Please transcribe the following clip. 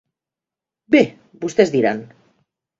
Bé, vostès diran.